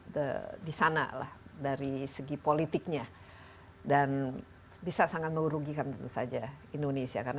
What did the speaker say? the disana lah dari segi politiknya dan bisa sangat merugikan tentu saja indonesia karena